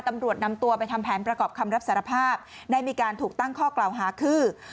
ตำรวจนำตัวไปทำแผนประกอบคำรับสารภาพได้มีการถูกตั้งข้อกล่าวหาคือ